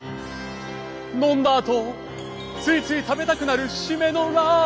「飲んだあとついつい食べたくなる〆のラーメン」